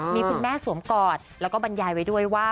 มีคุณแม่สวมกอดแล้วก็บรรยายไว้ด้วยว่า